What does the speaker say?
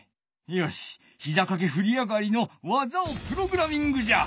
よしひざかけふりあがりの技をプログラミングじゃ！